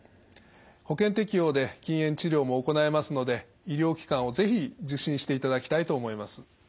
保険適用で禁煙治療も行えますので医療機関を是非受診していただきたいと思います。